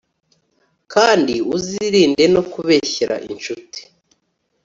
kandi uzirinde no kubeshyera incuti